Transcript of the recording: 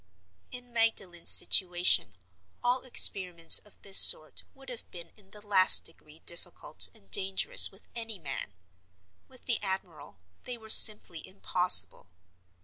In Magdalen's situation all experiments of this sort would have been in the last degree difficult and dangerous with any man. With the admiral they were simply impossible.